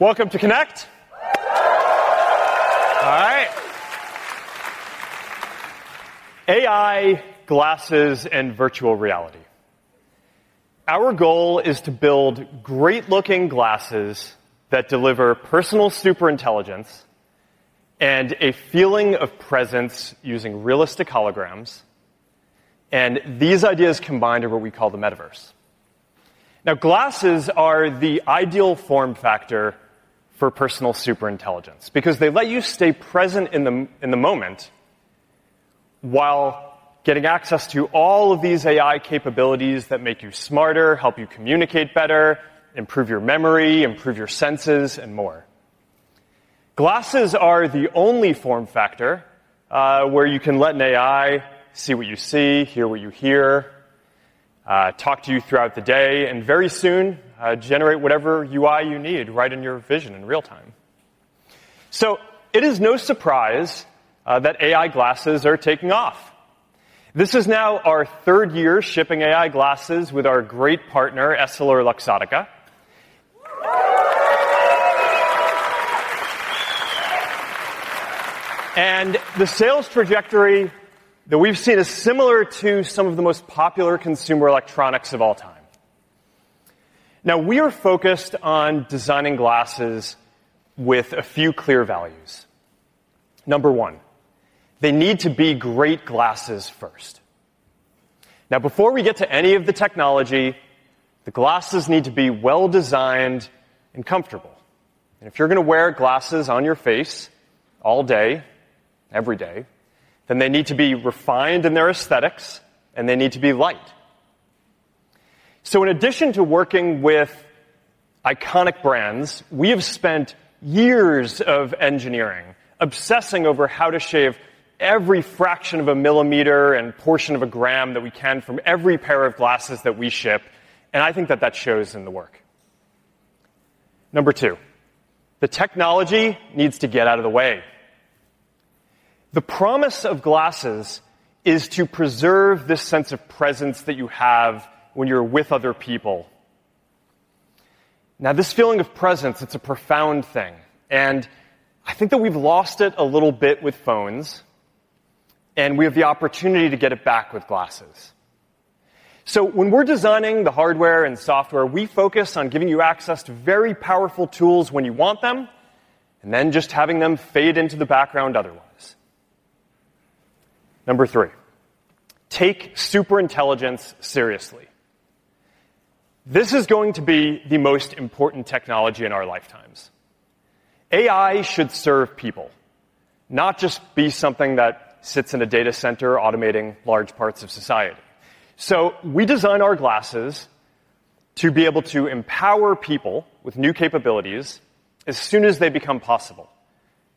Welcome to Connect. All right. AI, glasses, and virtual reality. Our goal is to build great-looking glasses that deliver personal superintelligence and a feeling of presence using realistic holograms. These ideas combined are what we call the metaverse. Now, glasses are the ideal form factor for personal superintelligence because they let you stay present in the moment while getting access to all of these AI capabilities that make you smarter, help you communicate better, improve your memory, improve your senses, and more. Glasses are the only form factor where you can let an AI see what you see, hear what you hear, talk to you throughout the day, and very soon generate whatever UI you need right in your vision in real time. It is no surprise that AI glasses are taking off. This is now our third year shipping AI glasses with our great partner, EssilorLuxottica. The sales trajectory that we've seen is similar to some of the most popular consumer electronics of all time. We are focused on designing glasses with a few clear values. Number one, they need to be great glasses first. Before we get to any of the technology, the glasses need to be well-designed and comfortable. If you're going to wear glasses on your face all day, every day, then they need to be refined in their aesthetics, and they need to be light. In addition to working with iconic brands, we have spent years of engineering, obsessing over how to shave every fraction of a millimeter and portion of a gram that we can from every pair of glasses that we ship. I think that shows in the work. Number two, the technology needs to get out of the way. The promise of glasses is to preserve this sense of presence that you have when you're with other people. This feeling of presence, it's a profound thing. I think that we've lost it a little bit with phones, and we have the opportunity to get it back with glasses. When we're designing the hardware and software, we focus on giving you access to very powerful tools when you want them, and then just having them fade into the background otherwise. Number three, take superintelligence seriously. This is going to be the most important technology in our lifetimes. AI should serve people, not just be something that sits in a data center automating large parts of society. We design our glasses to be able to empower people with new capabilities as soon as they become possible.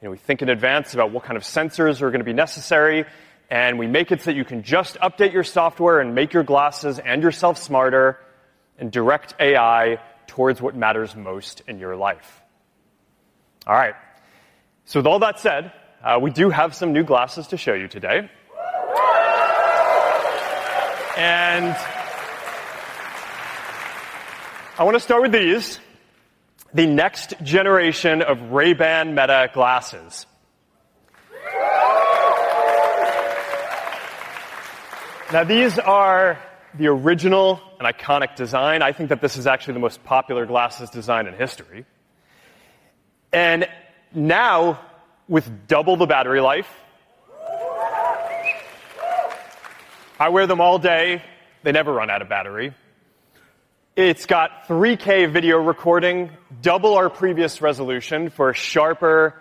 We think in advance about what kind of sensors are going to be necessary, and we make it so that you can just update your software and make your glasses and yourself smarter and direct AI towards what matters most in your life. All right. With all that said, we do have some new glasses to show you today. I want to start with these, the next generation of Ray-Ban Meta Smart Glasses. Now, these are the original and iconic design. I think that this is actually the most popular glasses design in history. Now, with double the battery life, I wear them all day. They never run out of battery. It's got 3K video recording, double our previous resolution for sharper,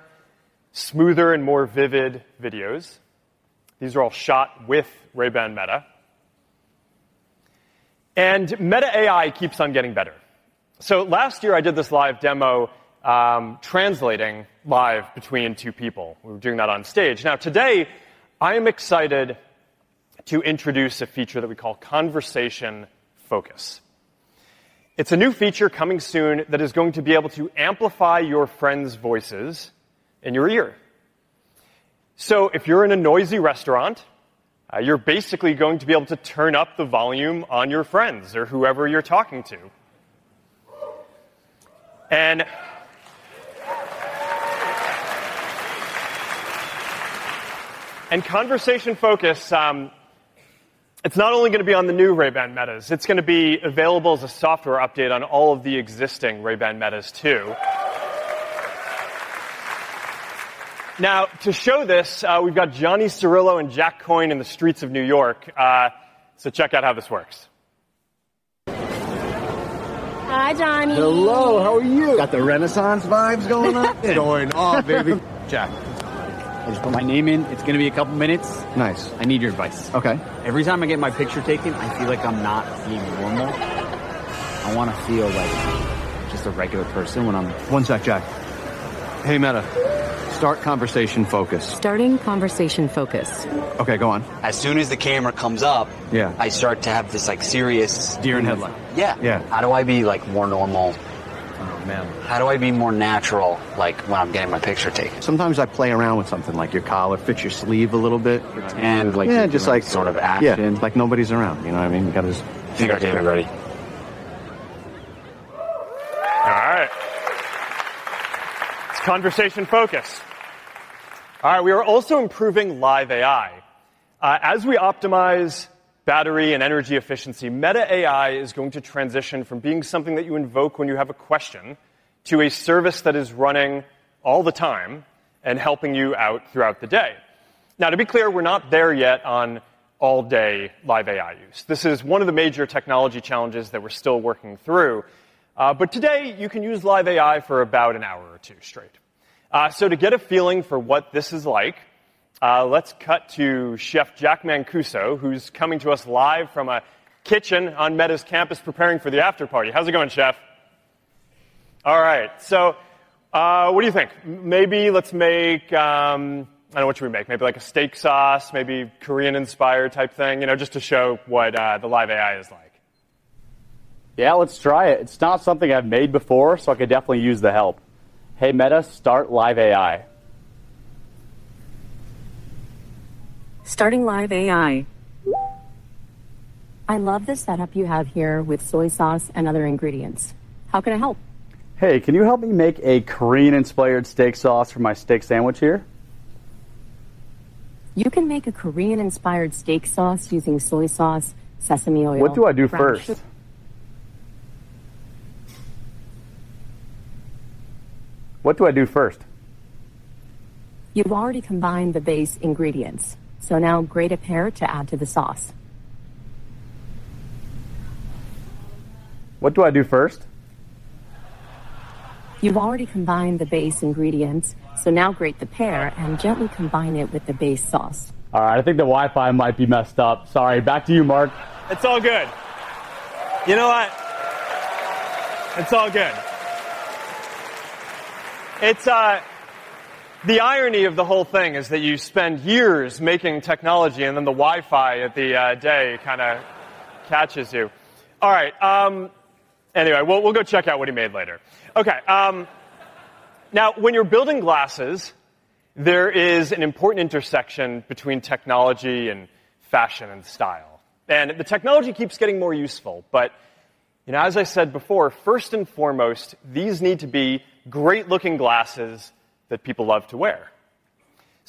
smoother, and more vivid videos. These are all shot with Ray-Ban Meta Smart Glasses. Meta AI keeps on getting better. Last year, I did this live demo, translating live between two people. We were doing that on stage. Today, I am excited to introduce a feature that we call Conversation Focus. It's a new feature coming soon that is going to be able to amplify your friends' voices in your ear. If you're in a noisy restaurant, you're basically going to be able to turn up the volume on your friends or whoever you're talking to. Conversation Focus is not only going to be on the new Ray-Ban Meta Smart Glasses, it's going to be available as a software update on all of the existing Ray-Ban Meta Smart Glasses too. To show this, we've got Johnny Cirillo and Jack Coyne in the streets of New York. Check out how this works. Hi, Johnny. Hello. How are you? Got the Renaissance vibe going up there. Going off, baby. Jack. I'll just put my name in. It's going to be a couple of minutes. Nice. I need your advice. OK. Every time I get my picture taken, I feel like I'm not being normal. I want to feel like just a regular person when I'm. One sec, Jack. Hey, Meta, start Conversation Focus. Starting Conversation Focus. OK, go on. As soon as the camera comes up, I start to have this serious. Deer in headlights. Yeah. Yeah. How do I be more normal? Come on, man. How do I be more natural when I'm getting my picture taken? Sometimes I play around with something, like your collar fits your sleeve a little bit. Just like sort of action. Like nobody's around. You know what I mean? You got to just figure out getting ready. All right. It's Conversation Focus. All right. We are also improving live AI. As we optimize battery and energy efficiency, Meta AI is going to transition from being something that you invoke when you have a question to a service that is running all the time and helping you out throughout the day. Now, to be clear, we're not there yet on all-day live AI use. This is one of the major technology challenges that we're still working through. Today, you can use live AI for about an hour or two straight. To get a feeling for what this is like, let's cut to chef Jack Mancuso, who's coming to us live from a kitchen on Meta's campus preparing for the afterparty. How's it going, chef? All right. What do you think? Maybe let's make, I don't know what you would make, maybe like a steak sauce, maybe Korean-inspired type thing, you know, just to show what the live AI is like. Yeah, let's try it. It's not something I've made before, so I could definitely use the help. Hey, Meta, start live AI. Starting live AI. I love the setup you have here with soy sauce and other ingredients. How can I help? Hey, can you help me make a Korean-inspired steak sauce for my steak sandwich here? You can make a Korean-inspired steak sauce using soy sauce, sesame oil. What do I do first? What do I do first? You've already combined the base ingredients. Now, grate a pear to add to the sauce. What do I do first? You've already combined the base ingredients. Now, grate the pear and gently combine it with the base sauce. All right. I think the Wi-Fi might be messed up. Sorry. Back to you, Mark. It's all good. You know what? It's all good. The irony of the whole thing is that you spend years making technology, and then the Wi-Fi at the day kind of catches you. All right. Anyway, we'll go check out what he made later. OK. Now, when you're building glasses, there is an important intersection between technology and fashion and style. The technology keeps getting more useful. As I said before, first and foremost, these need to be great-looking glasses that people love to wear.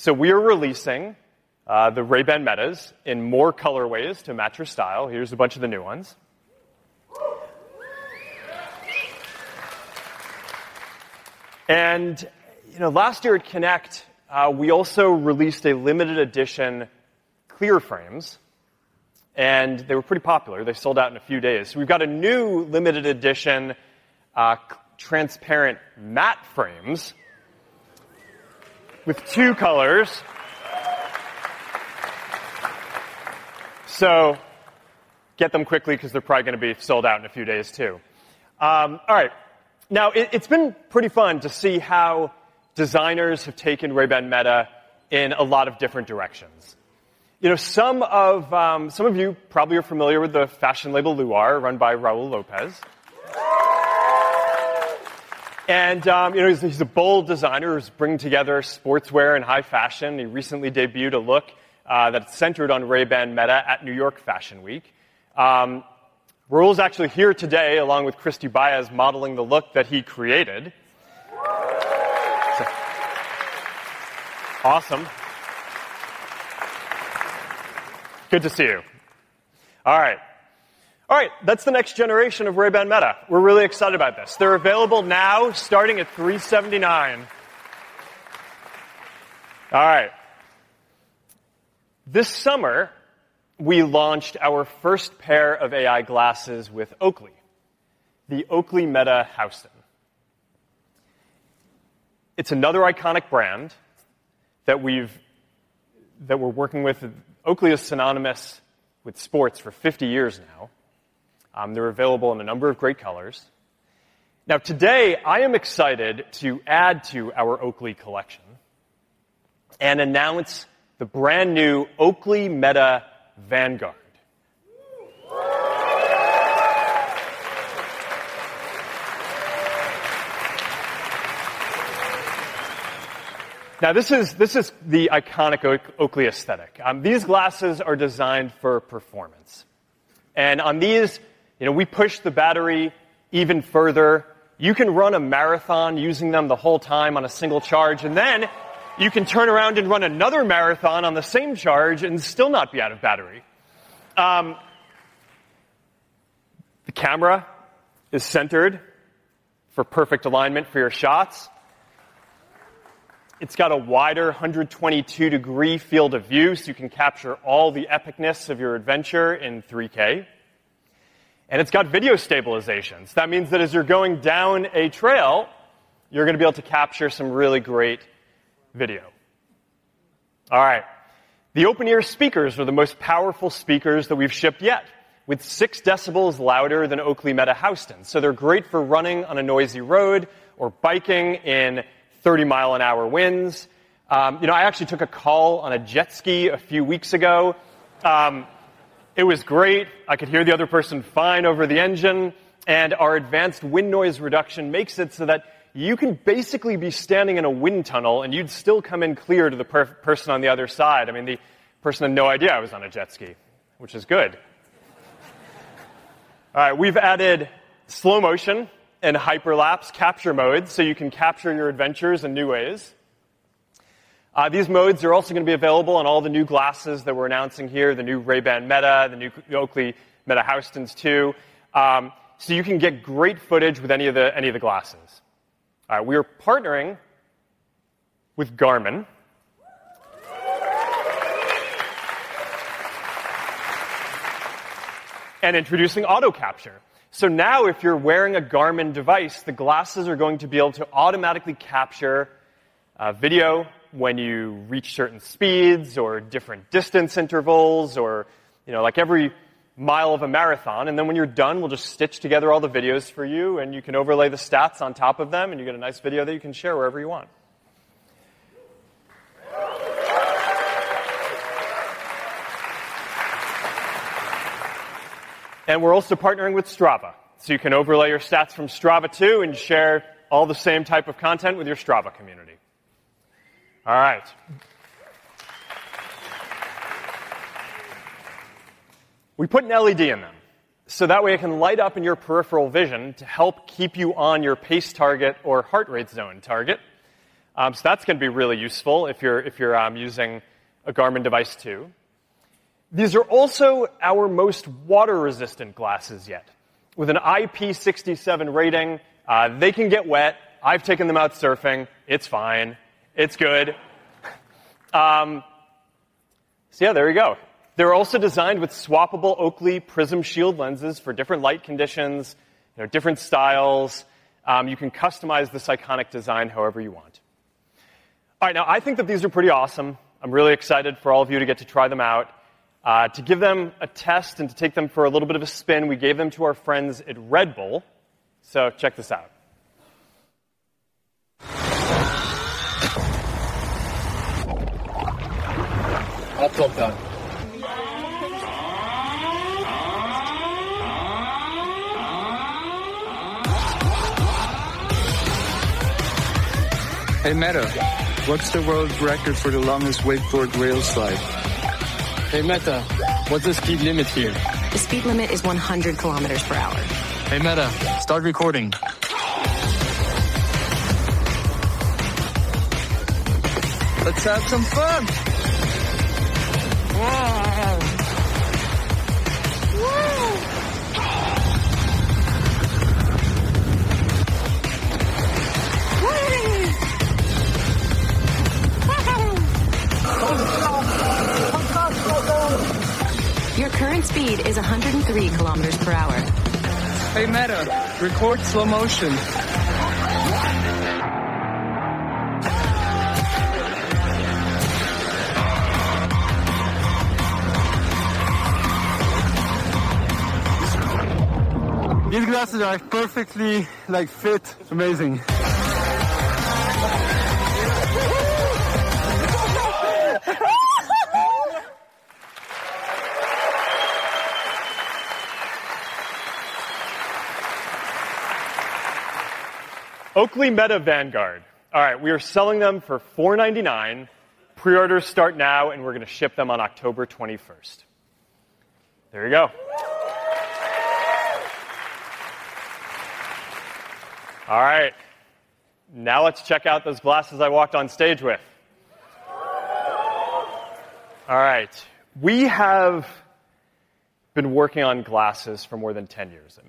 We are releasing the Ray-Ban Meta in more colorways to match your style. Here's a bunch of the new ones. Last year at Connect, we also released a limited edition clear frames, and they were pretty popular. They sold out in a few days. We've got a new limited edition transparent matte frames with two colors. Get them quickly because they're probably going to be sold out in a few days, too. All right. It's been pretty fun to see how designers have taken Ray-Ban Meta in a lot of different directions. Some of you probably are familiar with the fashion label Luar, run by Raul Lopez. He's a bold designer who's bringing together sportswear and high fashion. He recently debuted a look that's centered on Ray-Ban Meta at New York Fashion Week. Raul's actually here today, along with Kristi Baez, modeling the look that he created. Awesome. Good to see you. All right. That's the next generation of Ray-Ban Meta. We're really excited about this. They're available now starting at $379. This summer, we launched our first pair of AI glasses with Oakley, the Oakley Meta Houston. It's another iconic brand that we're working with. Oakley is synonymous with sports for 50 years now. They're available in a number of great colors. Today, I am excited to add to our Oakley collection and announce the brand new Oakley Meta Vanguard. This is the iconic Oakley aesthetic. These glasses are designed for performance. On these, we push the battery even further. You can run a marathon using them the whole time on a single charge. You can turn around and run another marathon on the same charge and still not be out of battery. The camera is centered for perfect alignment for your shots. It's got a wider 122° field of view, so you can capture all the epicness of your adventure in 3K. It's got video stabilization. That means that as you're going down a trail, you're going to be able to capture some really great video. All right. The open-ear speakers are the most powerful speakers that we've shipped yet, with six decibels louder than Oakley Meta Houston. They're great for running on a noisy road or biking in 30-mile-an-hour winds. I actually took a call on a jet ski a few weeks ago. It was great. I could hear the other person fine over the engine. Our advanced wind noise reduction makes it so that you can basically be standing in a wind tunnel, and you'd still come in clear to the person on the other side. The person had no idea I was on a jet ski, which is good. All right. We've added slow motion and hyperlapse capture modes, so you can capture your adventures in new ways. These modes are also going to be available on all the new glasses that we're announcing here, the new Ray-Ban Meta, the new Oakley Meta Houston, too. You can get great footage with any of the glasses. We are partnering with Garmin and introducing auto capture. Now, if you're wearing a Garmin device, the glasses are going to be able to automatically capture video when you reach certain speeds or different distance intervals or, you know, like every mile of a marathon. When you're done, we'll just stitch together all the videos for you, and you can overlay the stats on top of them, and you get a nice video that you can share wherever you want. We're also partnering with Strava. You can overlay your stats from Strava, too, and share all the same type of content with your Strava community. All right. We put an LED in them. That way, it can light up in your peripheral vision to help keep you on your pace target or heart rate zone target. That's going to be really useful if you're using a Garmin device, too. These are also our most water-resistant glasses yet, with an IP67 rating. They can get wet. I've taken them out surfing. It's fine. It's good. They're also designed with swappable Oakley Prism Shield lenses for different light conditions, different styles. You can customize this iconic design however you want. All right. I think that these are pretty awesome. I'm really excited for all of you to get to try them out. To give them a test and to take them for a little bit of a spin, we gave them to our friends at Red Bull. Check this out. Hey, Meta. What's the world record for the longest way forward rails flight? Hey, Meta. What's the speed limit here? The speed limit is 100 kilometers per hour. Hey, Meta. Start recording. Let's have some fun. Your current speed is 103 kilometers per hour. Hey, Meta. Record slow motion. These glasses are perfectly fit. Amazing. Oakley Meta Vanguard. All right. We are selling them for $499. Pre-orders start now, and we're going to ship them on October 21. There you go. All right. Now, let's check out those glasses I walked on stage with. We have been working on glasses for more than 10 years at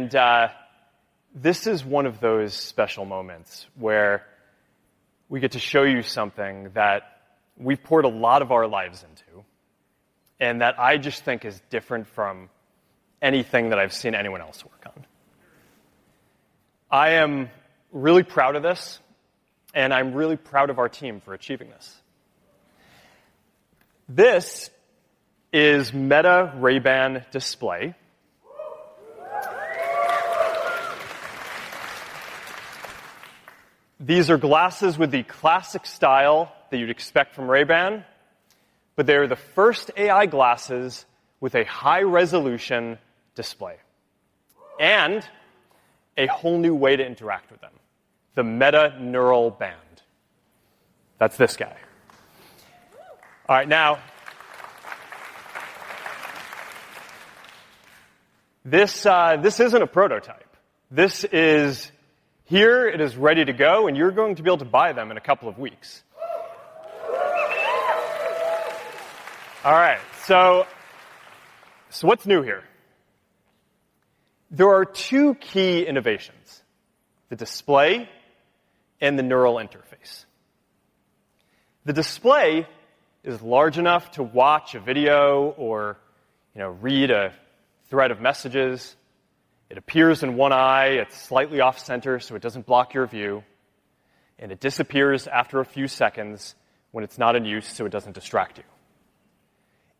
Meta. This is one of those special moments where we get to show you something that we poured a lot of our lives into and that I just think is different from anything that I've seen anyone else work on. I am really proud of this, and I'm really proud of our team for achieving this. This is Meta Ray-Ban Display. These are glasses with the classic style that you'd expect from Ray-Ban, but they're the first AI glasses with a high-resolution display and a whole new way to interact with them, the Meta Neural Band. That's this guy. This isn't a prototype. This is here. It is ready to go, and you're going to be able to buy them in a couple of weeks. What's new here? There are two key innovations, the display and the neural interface. The display is large enough to watch a video or read a thread of messages. It appears in one eye. It's slightly off-center, so it doesn't block your view. It disappears after a few seconds when it's not in use, so it doesn't distract you.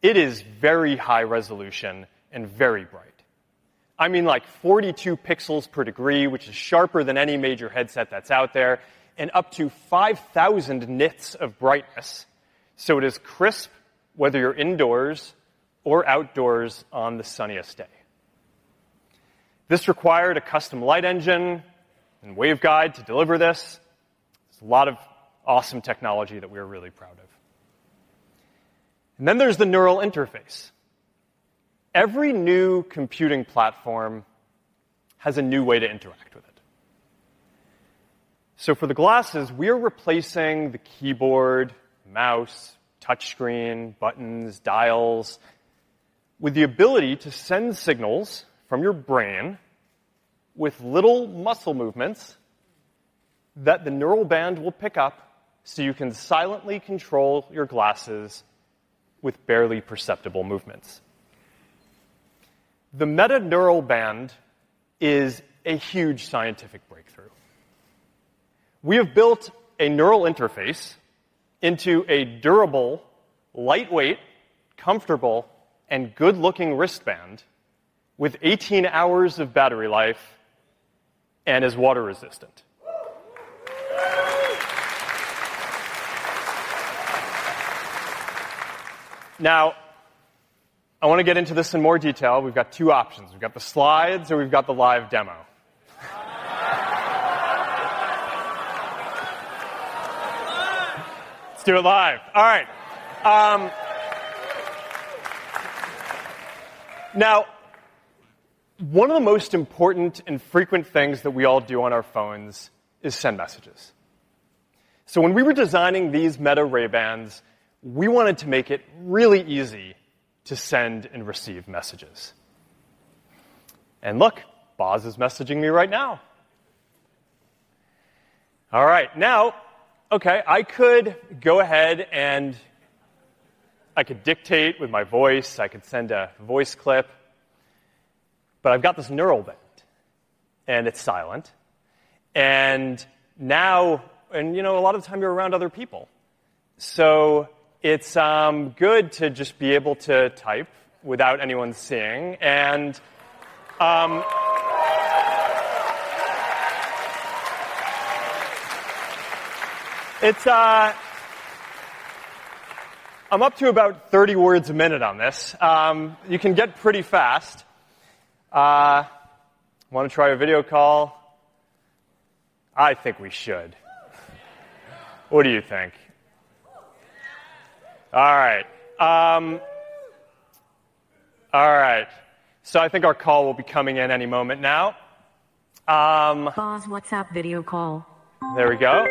It is very high resolution and very bright. I mean, like 42 pixels per degree, which is sharper than any major headset that's out there, and up to 5,000 nits of brightness. It is crisp, whether you're indoors or outdoors on the sunniest day. This required a custom light engine and waveguide to deliver this. It's a lot of awesome technology that we are really proud of. Then there's the neural interface. Every new computing platform has a new way to interact with it. For the glasses, we are replacing the keyboard, mouse, touchscreen, buttons, dials with the ability to send signals from your brain with little muscle movements that the neural band will pick up, so you can silently control your glasses with barely perceptible movements. The Meta Neural Band is a huge scientific breakthrough. We have built a neural interface into a durable, lightweight, comfortable, and good-looking wristband with 18 hours of battery life and is water resistant. I want to get into this in more detail. We've got two options. We've got the slides, or we've got the live demo. Let's do it live. All right. Now, one of the most important and frequent things that we all do on our phones is send messages. When we were designing these Ray-Ban Meta Smart Glasses, we wanted to make it really easy to send and receive messages. Look, Boz is messaging me right now. All right. I could go ahead and I could dictate with my voice. I could send a voice clip. I've got this Meta Neural Band, and it's silent. You know, a lot of the time you're around other people. It's good to just be able to type without anyone seeing. I'm up to about 30 words a minute on this. You can get pretty fast. Want to try a video call? I think we should. What do you think? All right. I think our call will be coming in any moment now. Boz, WhatsApp video call. There we go.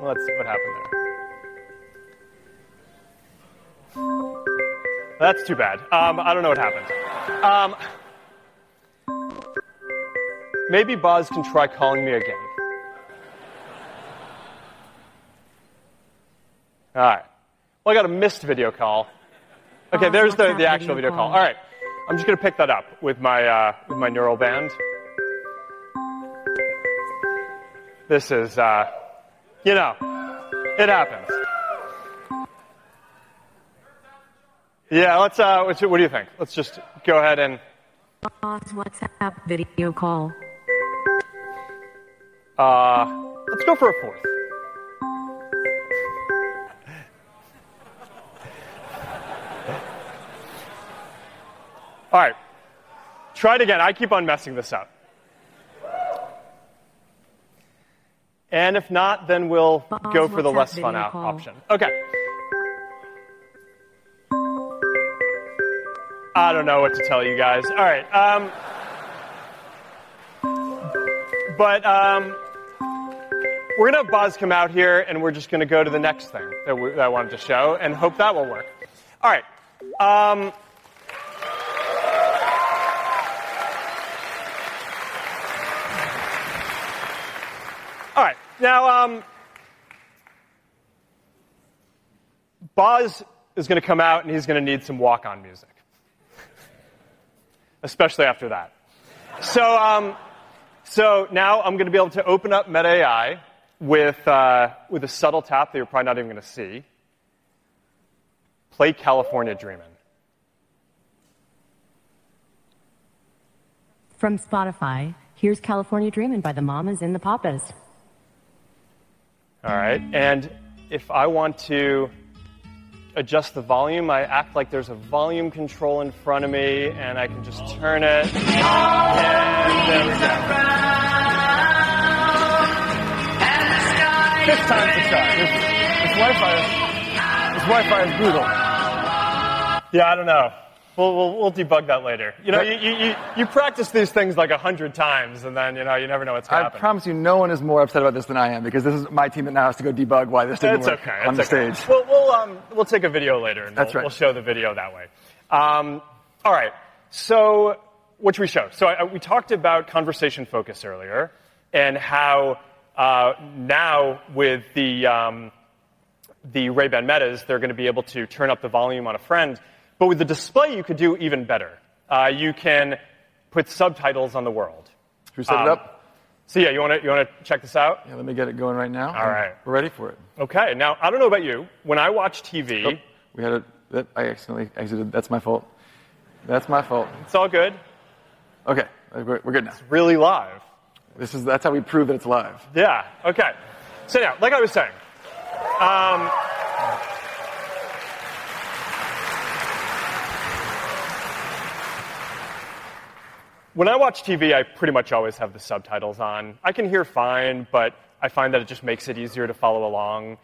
Let's see what happened there. That's too bad. I don't know what happened. Maybe Boz can try calling me again. All right. I got a missed video call. OK, there's the actual video call. All right. I'm just going to pick that up with my Meta Neural Band. This happens. What do you think? Let's just go ahead and. Boz, WhatsApp video call. Let's go for a fourth. All right. Try it again. I keep on messing this up. If not, then we'll go for the less fun option. OK. I don't know what to tell you guys. All right. We're going to have Boz come out here, and we're just going to go to the next thing that I wanted to show and hope that will work. All right. Now, Boz is going to come out, and he's going to need some walk-on music, especially after that. Now, I'm going to be able to open up Meta AI with a subtle tap that you're probably not even going to see. Play California Dreaming. From Spotify, here's California Dreaming by The Mamas and The Papas. All right. If I want to adjust the volume, I act like there's a volume control in front of me, and I can just turn it. There we go. This Wi-Fi is Google. I don't know. We'll debug that later. You practice these things like 100 times, and then you never know what's happening. I promise you, no one is more upset about this than I am, because this is my team that now has to go debug why this didn't work on the stage. That's OK. We'll take a video later, and we'll show the video that way. All right. What should we show? We talked about Conversation Focus earlier and how now with the Ray-Ban Meta Smart Glasses, they're going to be able to turn up the volume on a friend. With the display, you could do even better. You can put subtitles on the world. Who said that? Yeah, you want to check this out? Let me get it going right now. All right. We're ready for it. OK. Now, I don't know about you, when I watch TV. Oh, I accidentally exited. That's my fault. That's my fault. It's all good. OK. We're good now. It's really live. That's how we prove that it's live. OK. Like I was saying, when I watch TV, I pretty much always have the subtitles on. I can hear fine, but I find that it just makes it easier to follow along.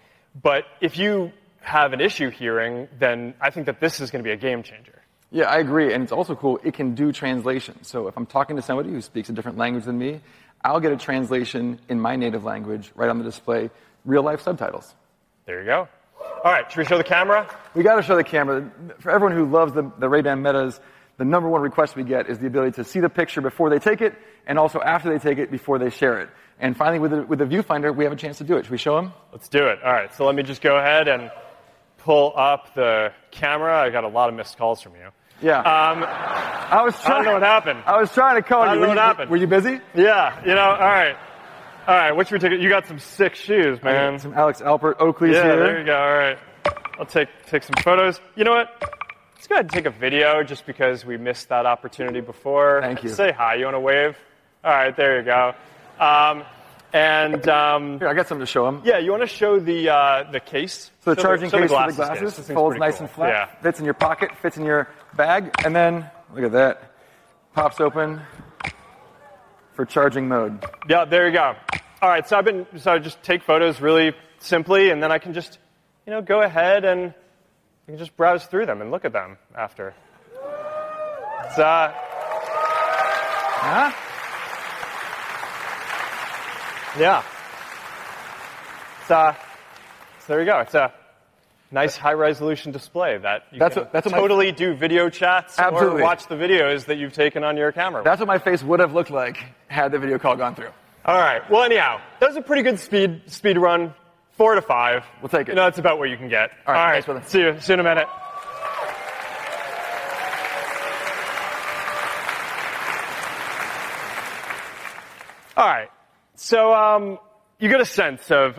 If you have an issue hearing, then I think that this is going to be a game changer. Yeah, I agree. It's also cool. It can do translation. If I'm talking to somebody who speaks a different language than me, I'll get a translation in my native language right on the display, real-life subtitles. There you go. All right, should we show the camera? We got to show the camera. For everyone who loves the Ray-Ban Meta Smart Glasses, the number one request we get is the ability to see the picture before they take it and also after they take it before they share it. Finally, with the viewfinder, we have a chance to do it. Should we show them? Let's do it. All right, let me just go ahead and pull up the camera. I got a lot of missed calls from you. Yeah. I was trying to know what happened. I was trying to call you to see what happened. Were you busy? Yeah, all right. What's your ticket? You got some sick shoes, man. Some Alex Albert Oakley shoes. There you go. All right. I'll take some photos. You know what? Let's go ahead and take a video just because we missed that opportunity before. Thank you. Say hi. You want to wave? All right, there you go. I got something to show them. Yeah, you want to show the case? The charging case for the glasses holds nice and flat, fits in your pocket, fits in your bag, and then look at that. Pops open for charging mode. Yeah, there you go. All right. I just take photos really simply, and then I can just go ahead and browse through them and look at them after. Yeah. There you go. It's a nice high-resolution display that you can totally do video chats or watch the videos that you've taken on your camera. That's what my face would have looked like had the video call gone through. All right. Anyhow, that was a pretty good speed run. Four to five. We'll take it. No, that's about what you can get. All right, thanks for that. See you in a minute. All right. You get a sense of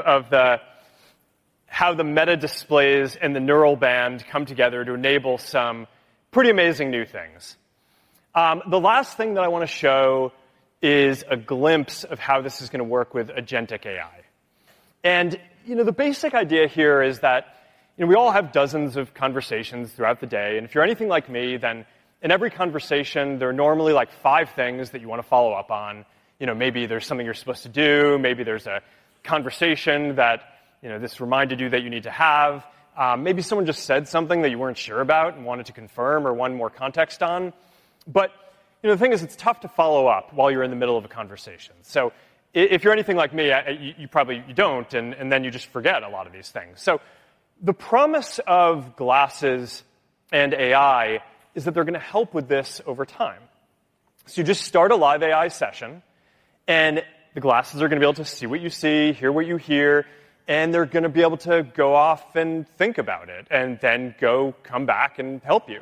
how the Meta Ray-Ban Display and the Meta Neural Band come together to enable some pretty amazing new things. The last thing that I want to show is a glimpse of how this is going to work with Agentic AI. You know, the basic idea here is that we all have dozens of conversations throughout the day. If you're anything like me, then in every conversation, there are normally like five things that you want to follow up on. Maybe there's something you're supposed to do. Maybe there's a conversation that this reminded you that you need to have. Maybe someone just said something that you weren't sure about and wanted to confirm or wanted more context on. The thing is, it's tough to follow up while you're in the middle of a conversation. If you're anything like me, you probably don't, and then you just forget a lot of these things. The promise of glasses and AI is that they're going to help with this over time. You just start a live AI session, and the glasses are going to be able to see what you see, hear what you hear, and they're going to be able to go off and think about it and then come back and help you.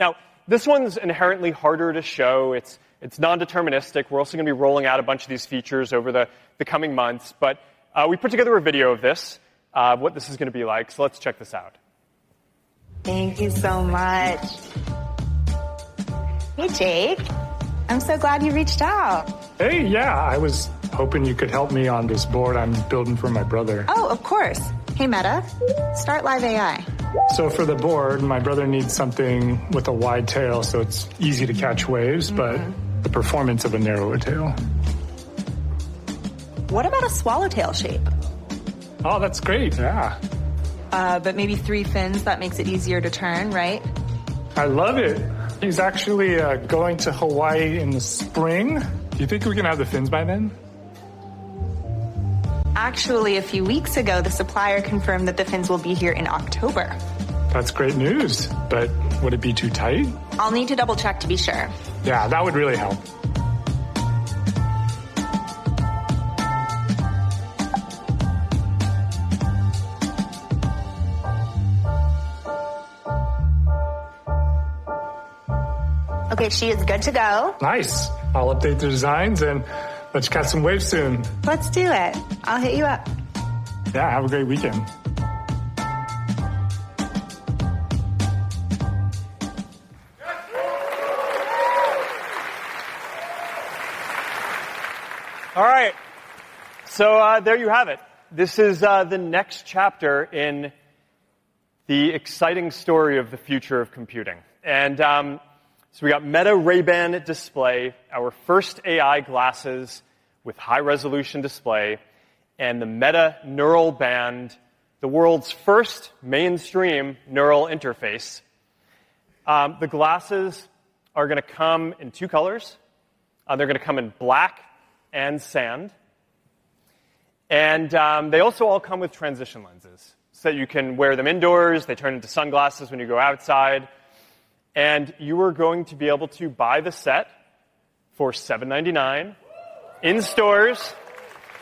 Now, this one's inherently harder to show. It's non-deterministic. We're also going to be rolling out a bunch of these features over the coming months. We put together a video of this, what this is going to be like. Let's check this out. Thank you so much. Hey, Jake. I'm so glad you reached out. Hey, I was hoping you could help me on this board I'm building for my brother. Oh, of course. Hey, Meta. Start live AI. My brother needs something with a wide tail so it's easy to catch waves, but the performance of a narrower tail. What about a swallowtail shape? Oh, that's great. Yeah. Maybe three fins? That makes it easier to turn, right? I love it. He's actually going to Hawaii in the spring. Do you think we can have the fins by then? Actually, a few weeks ago, the supplier confirmed that the fins will be here in October. That's great news. Would it be too tight? I'll need to double-check to be sure. Yeah, that would really help. OK, she is good to go. Nice. I'll update the designs, and let's cut some waves soon. Let's do it. I'll hit you up. Yeah, have a great weekend. All right. There you have it. This is the next chapter in the exciting story of the future of computing. We have Meta Ray-Ban Display, our first AI glasses with high-resolution display, and the Meta Neural Band, the world's first mainstream neural interface. The glasses are going to come in two colors. They're going to come in black and sand. They also all come with transition lenses, so you can wear them indoors. They turn into sunglasses when you go outside. You are going to be able to buy the set for $799 in stores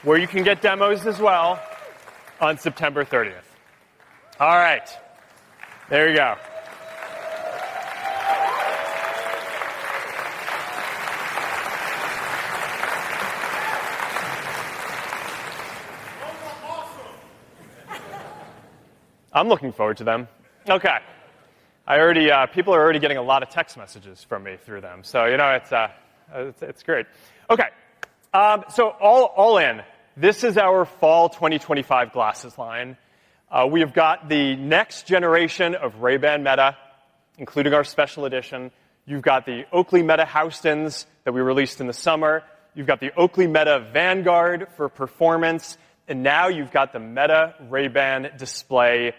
where you can get demos as well on September 30. There you go. I'm looking forward to them. People are already getting a lot of text messages from me through them, so you know, it's great. All in, this is our fall 2025 glasses line. We have got the next generation of Ray-Ban Meta, including our special edition. You've got the Oakley Meta Houston that we released in the summer. You've got the Oakley Meta Vanguard for performance. Now you've got the Meta Ray-Ban Display.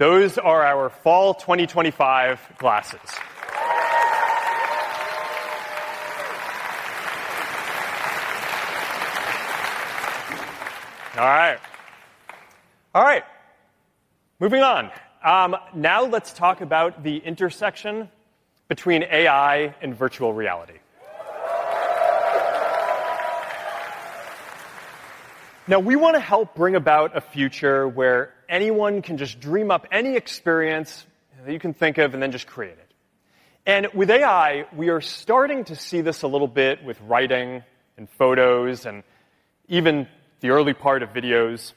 Those are our fall 2025 glasses. All right. Moving on. Let's talk about the intersection between AI and virtual reality. We want to help bring about a future where anyone can just dream up any experience that you can think of and then just create it. With AI, we are starting to see this a little bit with writing and photos and even the early part of videos.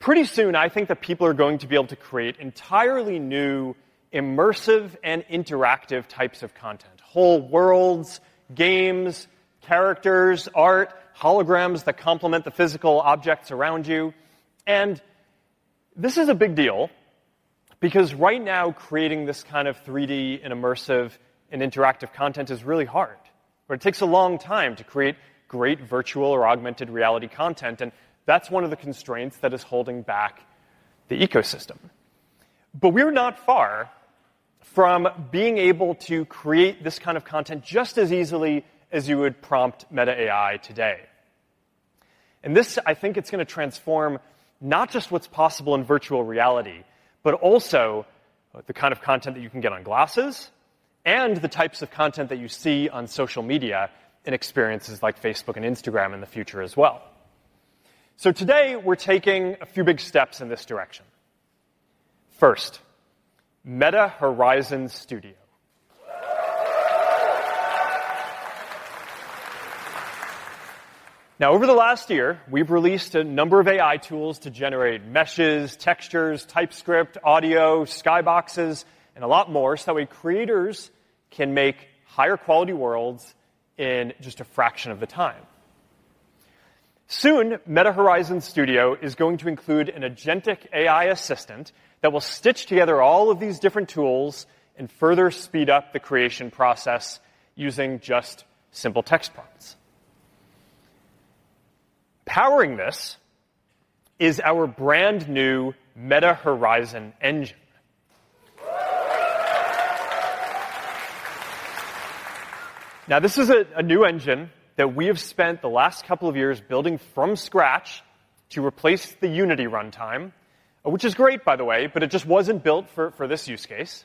Pretty soon, I think that people are going to be able to create entirely new, immersive, and interactive types of content, whole worlds, games, characters, art, holograms that complement the physical objects around you. This is a big deal because right now, creating this kind of 3D and immersive and interactive content is really hard. It takes a long time to create great virtual or augmented reality content, and that's one of the constraints that is holding back the ecosystem. We are not far from being able to create this kind of content just as easily as you would prompt Meta AI today. I think this is going to transform not just what's possible in virtual reality, but also the kind of content that you can get on glasses and the types of content that you see on social media in experiences like Facebook and Instagram in the future as well. Today, we're taking a few big steps in this direction. First, Meta Horizon Studio. Now, over the last year, we've released a number of AI tools to generate meshes, textures, TypeScript, audio, skyboxes, and a lot more so that way creators can make higher quality worlds in just a fraction of the time. Soon, Meta Horizon Studio is going to include an Agentic AI assistant that will stitch together all of these different tools and further speed up the creation process using just simple text prompts. Powering this is our brand new Meta Horizon engine. This is a new engine that we have spent the last couple of years building from scratch to replace the Unity runtime, which is great, by the way, but it just wasn't built for this use case.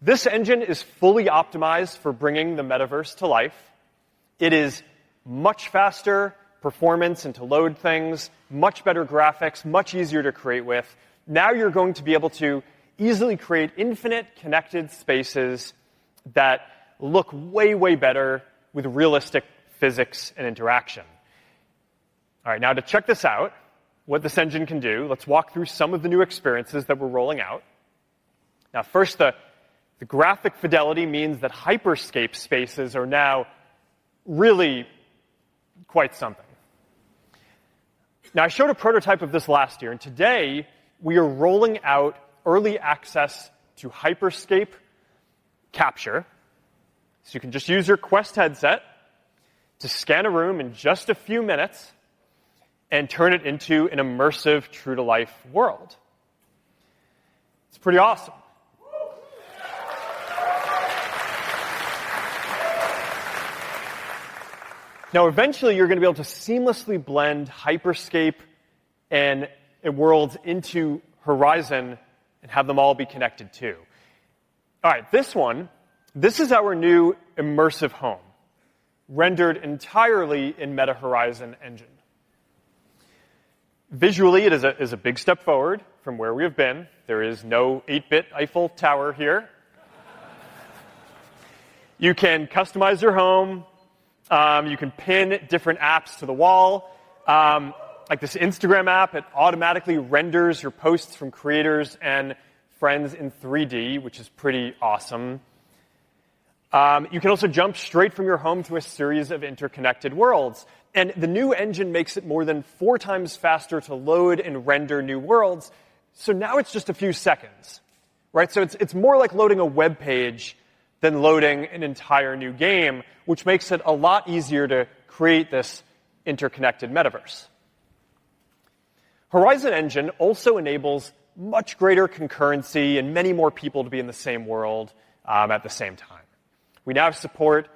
This engine is fully optimized for bringing the metaverse to life. It is much faster performance and to load things, much better graphics, much easier to create with. Now, you're going to be able to easily create infinite connected spaces that look way, way better with realistic physics and interaction. All right. To check this out, what this engine can do, let's walk through some of the new experiences that we're rolling out. First, the graphic fidelity means that hyperscape spaces are now really quite something. I showed a prototype of this last year. Today, we are rolling out early access to hyperscape capture. You can just use your Quest headset to scan a room in just a few minutes and turn it into an immersive, true-to-life world. It's pretty awesome. Eventually, you're going to be able to seamlessly blend hyperscape and worlds into horizon and have them all be connected too. All right. This one, this is our new immersive home rendered entirely in Meta Horizon engine. Visually, it is a big step forward from where we have been. There is no 8-bit Eiffel Tower here. You can customize your home. You can pin different apps to the wall. Like this Instagram app, it automatically renders your posts from creators and friends in 3D, which is pretty awesome. You can also jump straight from your home to a series of interconnected worlds, and the new engine makes it more than four times faster to load and render new worlds. Now it's just a few seconds, right? It's more like loading a web page than loading an entire new game, which makes it a lot easier to create this interconnected metaverse. Horizon engine also enables much greater concurrency and many more people to be in the same world at the same time. We now support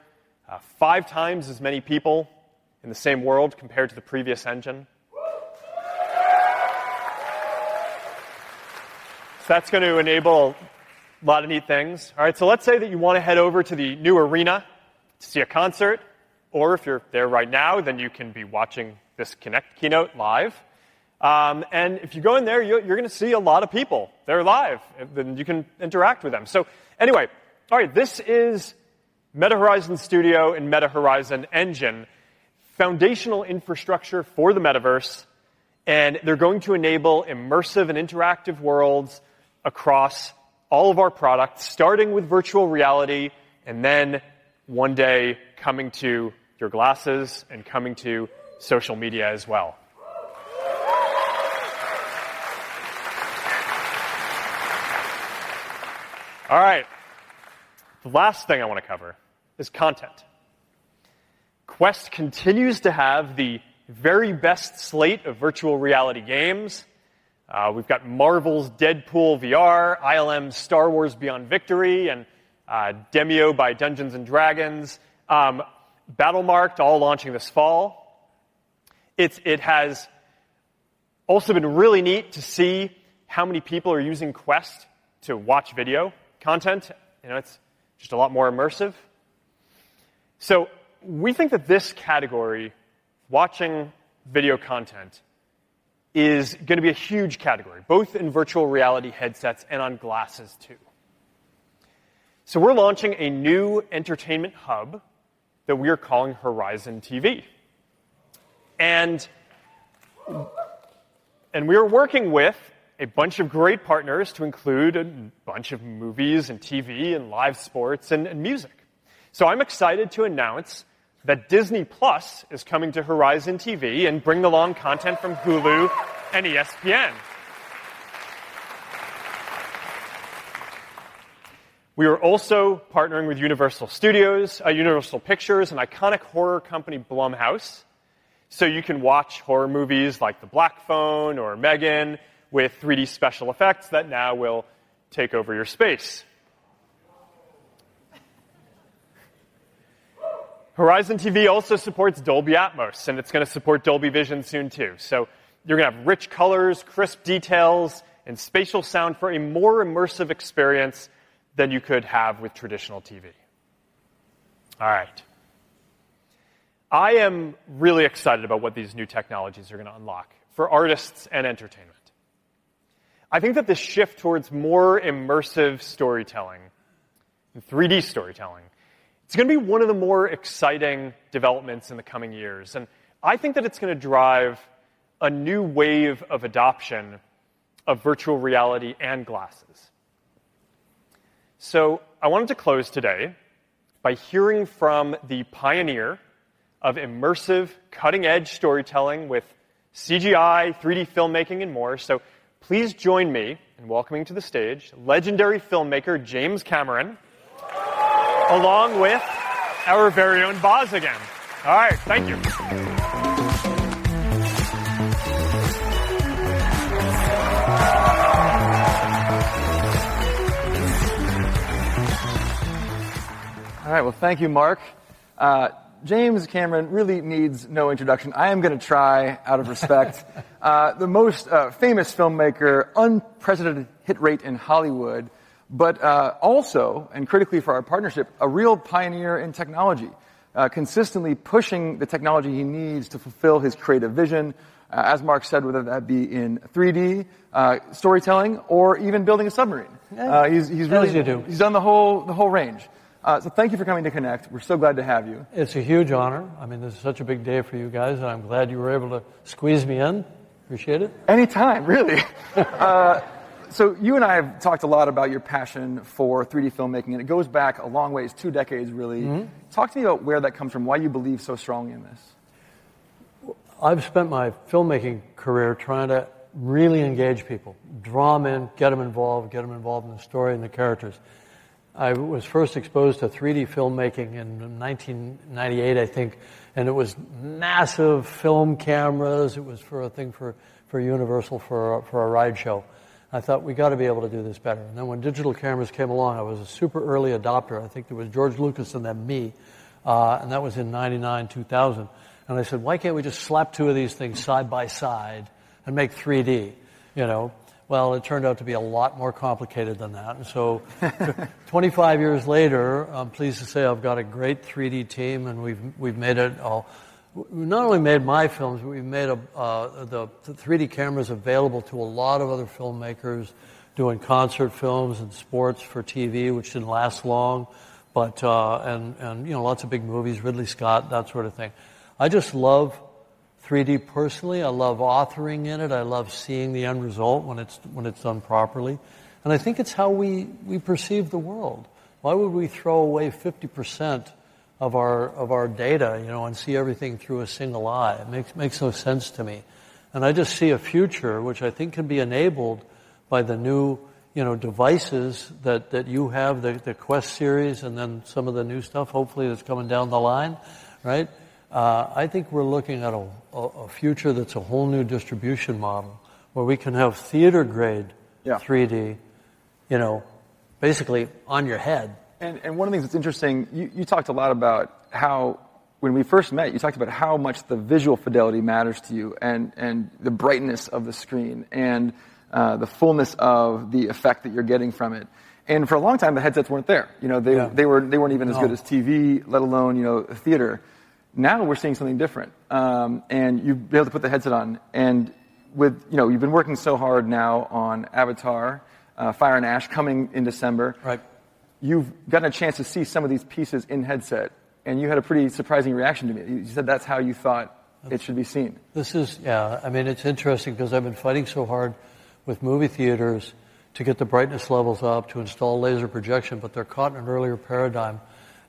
five times as many people in the same world compared to the previous engine. That's going to enable a lot of neat things. All right. Let's say that you want to head over to the new arena to see a concert, or if you're there right now, then you can be watching this Connect keynote live. If you go in there, you're going to see a lot of people. They're live. You can interact with them. This is Meta Horizon Studio and Meta Horizon engine, foundational infrastructure for the metaverse. They're going to enable immersive and interactive worlds across all of our products, starting with virtual reality and then one day coming to your glasses and coming to social media as well. The last thing I want to cover is content. Quest continues to have the very best slate of virtual reality games. We've got Marvel's Deadpool VR, ILM's Star Wars Beyond Victory, and Demio by Dungeons and Dragons, BattleMarked, all launching this fall. It has also been really neat to see how many people are using Quest to watch video content. It's just a lot more immersive. We think that this category, watching video content, is going to be a huge category, both in virtual reality headsets and on glasses, too. We're launching a new entertainment hub that we are calling Horizon TV. We are working with a bunch of great partners to include a bunch of movies and TV and live sports and music. I'm excited to announce that Disney+ is coming to Horizon TV and bringing along content from Hulu and ESPN. We are also partnering with Universal Pictures and iconic horror company Blumhouse so you can watch horror movies like The Black Phone or Megan with 3D special effects that now will take over your space. Horizon TV also supports Dolby Atmos, and it's going to support Dolby Vision soon, too. You're going to have rich colors, crisp details, and spatial sound for a more immersive experience than you could have with traditional TV. I am really excited about what these new technologies are going to unlock for artists and entertainment. I think that this shift towards more immersive storytelling and 3D storytelling is going to be one of the more exciting developments in the coming years. I think that it's going to drive a new wave of adoption of virtual reality and glasses. I wanted to close today by hearing from the pioneer of immersive, cutting-edge storytelling with CGI, 3D filmmaking, and more. Please join me in welcoming to the stage legendary filmmaker James Cameron, along with our very own Boz again. All right. Thank you, Mark. James Cameron really needs no introduction. I am going to try, out of respect, the most famous filmmaker, unprecedented hit rate in Hollywood, but also, and critically for our partnership, a real pioneer in technology, consistently pushing the technology he needs to fulfill his creative vision, as Mark said, whether that be in 3D storytelling or even building a submarine. He's really good too. He's done the whole range. Thank you for coming to Connect. We're so glad to have you. It's a huge honor. I mean, this is such a big day for you guys, and I'm glad you were able to squeeze me in. I appreciate it. Anytime, really. You and I have talked a lot about your passion for 3D filmmaking, and it goes back a long ways, two decades, really. Talk to me about where that comes from, why you believe so strongly in this. I've spent my filmmaking career trying to really engage people, draw them in, get them involved, get them involved in the story and the characters. I was first exposed to 3D filmmaking in 1998, I think, and it was massive film cameras. It was for a thing for Universal Pictures for a ride show. I thought, we got to be able to do this better. When digital cameras came along, I was a super early adopter. I think it was George Lucas and then me. That was in 1999, 2000. I said, why can't we just slap two of these things side by side and make 3D? It turned out to be a lot more complicated than that. Twenty-five years later, I'm pleased to say I've got a great 3D team, and we've made it all. We not only made my films, but we've made the 3D cameras available to a lot of other filmmakers doing concert films and sports for TV, which didn't last long, and lots of big movies, Ridley Scott, that sort of thing. I just love 3D personally. I love authoring in it. I love seeing the end result when it's done properly. I think it's how we perceive the world. Why would we throw away 50% of our data and see everything through a single eye? It makes no sense to me. I just see a future, which I think can be enabled by the new devices that you have, the Meta Quest series, and then some of the new stuff, hopefully, that's coming down the line, right? I think we're looking at a future that's a whole new distribution model where we can have theater-grade 3D, basically on your head. One of the things that's interesting, you talked a lot about how when we first met, you talked about how much the visual fidelity matters to you and the brightness of the screen and the fullness of the effect that you're getting from it. For a long time, the headsets weren't there. You know, they weren't even as good as TV, let alone theater. Now we're seeing something different, and you've been able to put the headset on. You've been working so hard now on Avatar: Fire and Ash coming in December. Right. You've gotten a chance to see some of these pieces in headset, and you had a pretty surprising reaction to me. You said that's how you thought it should be seen. Yeah. I mean, it's interesting because I've been fighting so hard with movie theaters to get the brightness levels up, to install laser projection, but they're caught in an earlier paradigm.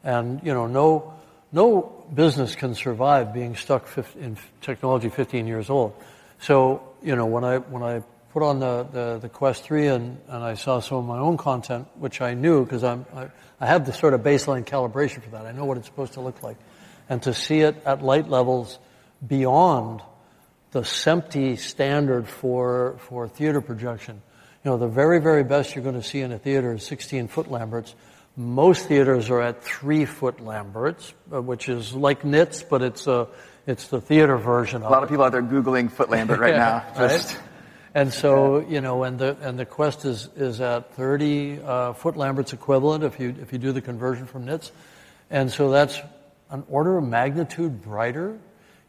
You know, no business can survive being stuck in technology 15 years old. When I put on the Quest 3 and I saw some of my own content, which I knew because I have this sort of baseline calibration for that, I know what it's supposed to look like. To see it at light levels beyond the SMPTE standard for theater projection, you know, the very, very best you're going to see in a theater is 16 foot-Lamberts. Most theaters are at 3 foot-Lamberts, which is like nits, but it's the theater version of it. A lot of people out there Googling foot-lambert right now. Right. You know, the Meta Quest is at 30-foot Lamberts equivalent if you do the conversion from nits. That's an order of magnitude brighter.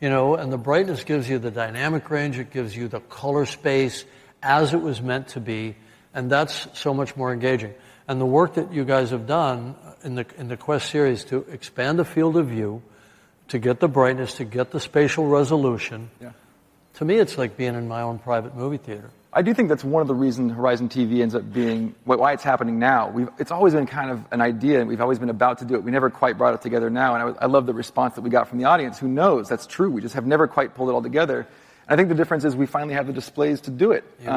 The brightness gives you the dynamic range. It gives you the color space as it was meant to be. That's so much more engaging. The work that you guys have done in the Meta Quest series to expand the field of view, to get the brightness, to get the spatial resolution, to me, it's like being in my own private movie theater. I do think that's one of the reasons Horizon TV ends up being why it's happening now. It's always been kind of an idea, and we've always been about to do it. We never quite brought it together. I love the response that we got from the audience. Who knows? That's true. We just have never quite pulled it all together. I think the difference is we finally have the displays to do it. Yeah.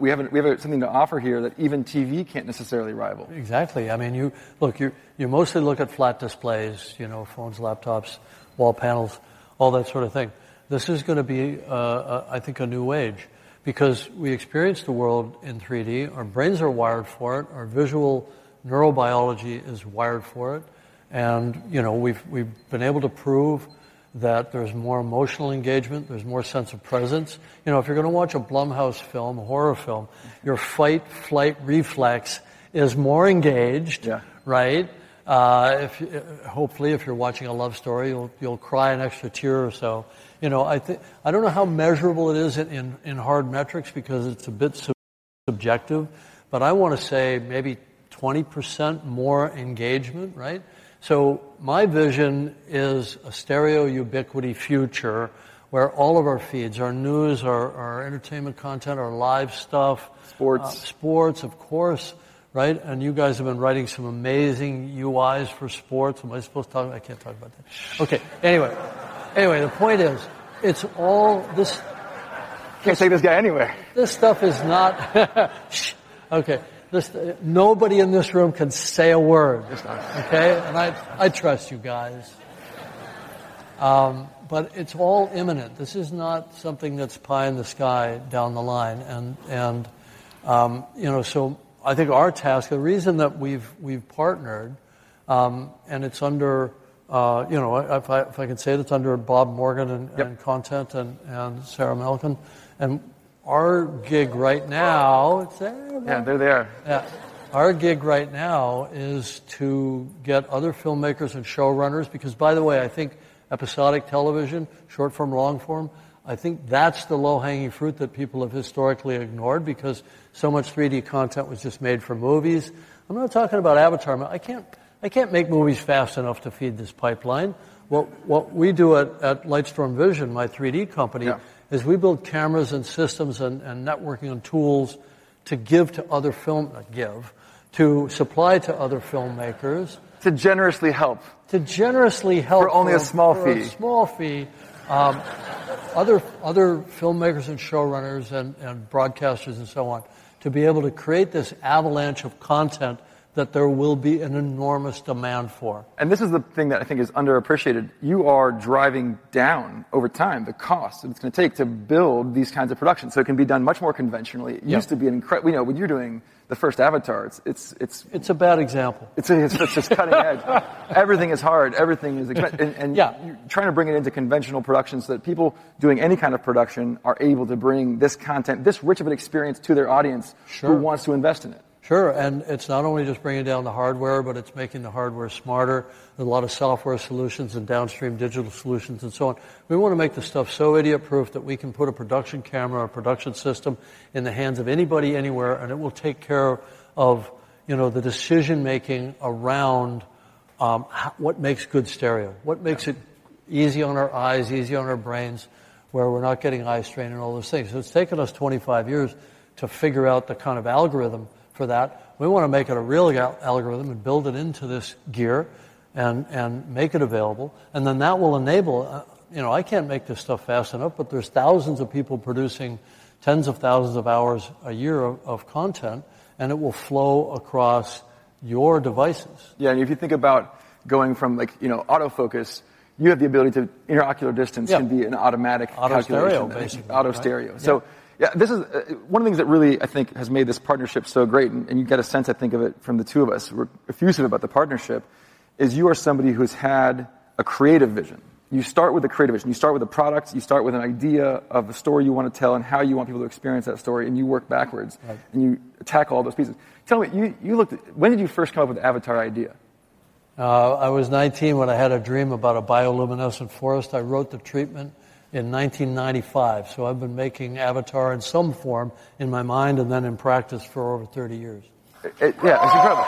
We have something to offer here that even TV can't necessarily rival. Exactly. I mean, you look, you mostly look at flat displays, you know, phones, laptops, wall panels, all that sort of thing. This is going to be, I think, a new age because we experience the world in 3D. Our brains are wired for it. Our visual neurobiology is wired for it. We've been able to prove that there's more emotional engagement. There's more sense of presence. If you're going to watch a Blumhouse film, a horror film, your fight-flight reflex is more engaged, right? Hopefully, if you're watching a love story, you'll cry an extra tear or so. I don't know how measurable it is in hard metrics because it's a bit subjective. I want to say maybe 20% more engagement, right? My vision is a stereo ubiquity future where all of our feeds, our news, our entertainment content, our live stuff. Sports. Sports, of course, right? You guys have been writing some amazing UIs for sports. Am I supposed to talk? I can't talk about that. OK. Anyway, the point is, it's all this. Can't save this guy anyway. This stuff is not OK. Nobody in this room can say a word. It's not. OK? I trust you guys. It's all imminent. This is not something that's pie in the sky down the line. I think our task, the reason that we've partnered, and it's under, you know, if I can say it, it's under Bob Morgan and Content and Sarah Melkin. Our gig right now, it's there. Yeah, they're there. Our gig right now is to get other filmmakers and showrunners because, by the way, I think episodic television, short form, long form, I think that's the low-hanging fruit that people have historically ignored because so much 3D content was just made for movies. I'm not talking about Avatar. I can't make movies fast enough to feed this pipeline. What we do at Lightstorm Vision, my 3D company, is we build cameras and systems and networking and tools to give to other film, not give, to supply to other filmmakers. To generously help. To generously help. For only a small fee. A small fee, other filmmakers and showrunners and broadcasters and so on to be able to create this avalanche of content that there will be an enormous demand for. This is the thing that I think is underappreciated. You are driving down over time the cost that it's going to take to build these kinds of productions. It can be done much more conventionally. It used to be incredible, you know, when you're doing the first Avatar, it's. It's a bad example. It's just cutting edge. Everything is hard. Everything is, and you're trying to bring it into conventional productions so that people doing any kind of production are able to bring this content, this rich of an experience to their audience who wants to invest in it. Sure. It's not only just bringing down the hardware, but it's making the hardware smarter with a lot of software solutions and downstream digital solutions and so on. We want to make this stuff so idiot-proof that we can put a production camera or a production system in the hands of anybody anywhere, and it will take care of the decision-making around what makes good stereo, what makes it easy on our eyes, easy on our brains, where we're not getting eye strain and all those things. It's taken us 25 years to figure out the kind of algorithm for that. We want to make it a real algorithm and build it into this gear and make it available. That will enable, you know, I can't make this stuff fast enough, but there's thousands of people producing tens of thousands of hours a year of content, and it will flow across your devices. Yeah. If you think about going from, like, you know, autofocus, you have the ability to interocular distance can be an automatic. Auto stereo, basically. Auto stereo. This is one of the things that really, I think, has made this partnership so great. You get a sense, I think, of it from the two of us. We're effusive about the partnership. You are somebody who's had a creative vision. You start with a creative vision. You start with a product. You start with an idea of a story you want to tell and how you want people to experience that story, and you work backwards, and you tackle all those pieces. Tell me, you looked at when did you first come up with the Avatar idea? I was 19 when I had a dream about a bioluminescent forest. I wrote the treatment in 1995. I've been making Avatar in some form in my mind and then in practice for over 30 years. Yeah, that's incredible.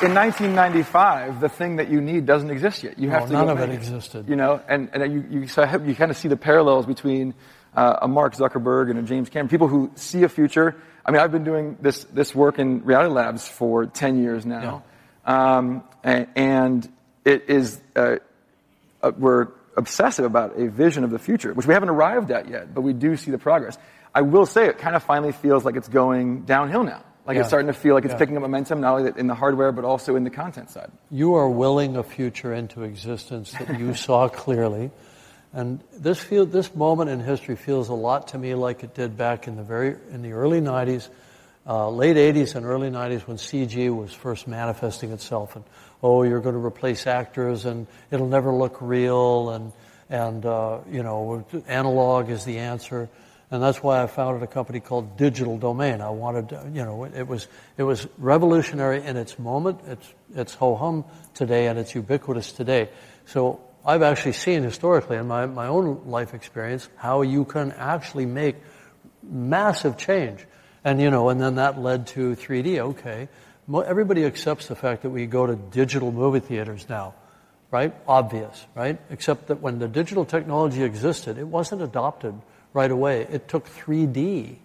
In 1995, the thing that you need doesn't exist yet. None of it existed. You know, you kind of see the parallels between a Mark Zuckerberg and a James Cameron, people who see a future. I mean, I've been doing this work in Reality Labs for 10 years now, and we're obsessive about a vision of the future, which we haven't arrived at yet, but we do see the progress. I will say it kind of finally feels like it's going downhill now, like it's starting to feel like it's picking up momentum not only in the hardware, but also in the content side. You are willing a future into existence that you saw clearly. This moment in history feels a lot to me like it did back in the early 1990s, late 1980s and early 1990s when CG was first manifesting itself. Oh, you're going to replace actors, and it'll never look real. You know, analog is the answer. That's why I founded a company called Digital Domain. I wanted, you know, it was revolutionary in its moment, it's ho-hum today, and it's ubiquitous today. I've actually seen historically in my own life experience how you can actually make massive change. You know, that led to 3D. OK. Everybody accepts the fact that we go to digital movie theaters now, right? Obvious, right? Except that when the digital technology existed, it wasn't adopted right away. It took 3D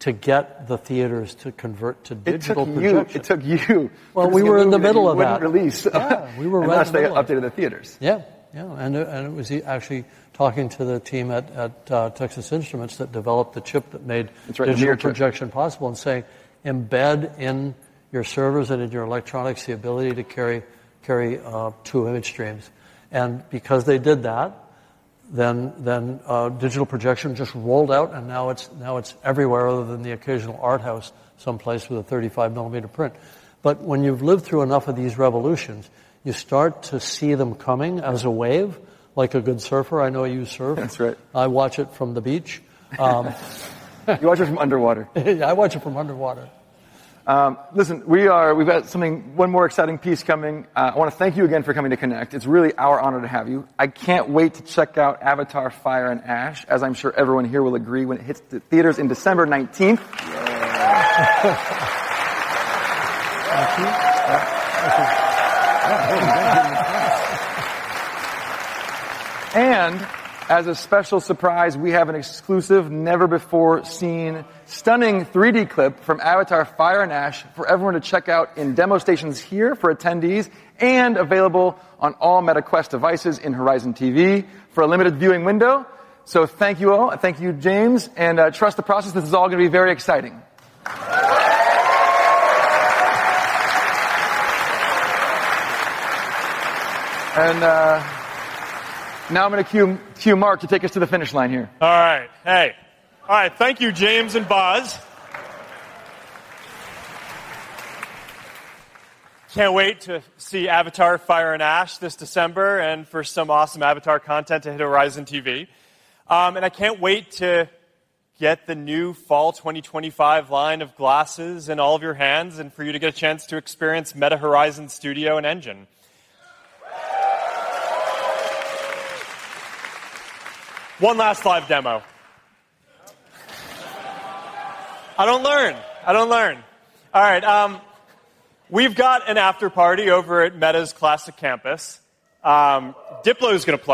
to get the theaters to convert to digital production. It took you. We were in the middle of that. With release. We were ready. Unless they updated the theaters. Yeah, yeah. It was actually talking to the team at Texas Instruments that developed the chip that made digital projection possible and saying, embed in your servers and in your electronics the ability to carry two image streams. Because they did that, digital projection just rolled out, and now it's everywhere other than the occasional art house someplace with a 35-millimeter print. When you've lived through enough of these revolutions, you start to see them coming as a wave, like a good surfer. I know you surf. That's right. I watch it from the beach. You watch it from underwater. Yeah, I watch it from underwater. Listen, we've got something, one more exciting piece coming. I want to thank you again for coming to Connect. It's really our honor to have you. I can't wait to check out Avatar: Fire and Ash, as I'm sure everyone here will agree when it hits theaters on December 19. As a special surprise, we have an exclusive, never-before-seen, stunning 3D clip from Avatar: Fire and Ash for everyone to check out in demo stations here for attendees and available on all Meta Quest devices in Horizon TV for a limited viewing window. Thank you all, and thank you, James. Trust the process. This is all going to be very exciting. Now I'm going to cue Mark to take us to the finish line here. All right. Thank you, James and Boz. Can't wait to see Avatar: Fire and Ash this December and for some awesome Avatar content to hit Horizon TV. I can't wait to get the new fall 2025 line of glasses in all of your hands and for you to get a chance to experience Meta Horizon Studio and engine. One last live demo. I don't learn. I don't learn. We've got an afterparty over at Meta's Classic Campus. Diplo is going to come.